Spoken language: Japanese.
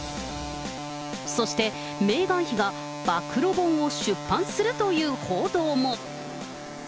そしてメーガン妃が暴露本を出版するという報道も。